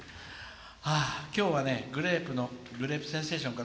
今日はね「グレープセンセーション」から。